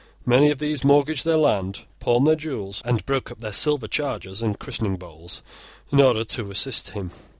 Many of these mortgaged their land, pawned their jewels, and broke up their silver chargers and christening bowls, in order to assist him.